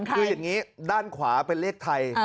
คืออย่างนี้ด้านขวาเป็นเลขไทย